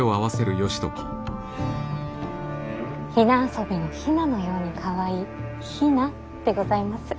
雛遊びの雛のようにかわいい比奈でございます。